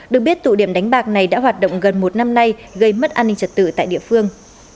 được biết tụ điểm đánh bạc này đã hoạt động gần một năm nay gây mất an ninh trật tự tại địa phương